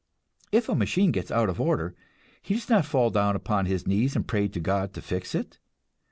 If a machine gets out of order, he does not fall down upon his knees and pray to God to fix it.